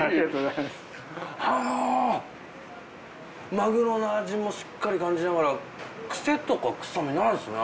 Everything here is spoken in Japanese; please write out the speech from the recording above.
まぐろの味もしっかり感じながらクセとか臭みないですね。